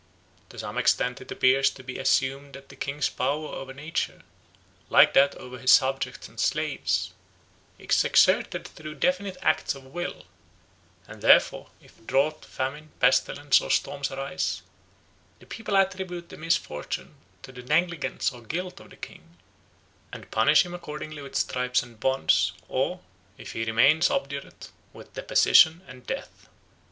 To some extent it appears to be assumed that the king's power over nature, like that over his subjects and slaves, is exerted through definite acts of will; and therefore if drought, famine, pestilence, or storms arise, the people attribute the misfortune to the negligence or guilt of their king, and punish him accordingly with stripes and bonds, or, if he remains obdurate, with deposition and death.